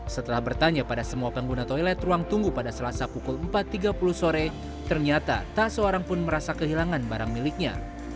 setelah bertanya pada semua pengguna toilet ruang tunggu pada selasa pukul empat tiga puluh sore ternyata tak seorang pun merasa kehilangan barang miliknya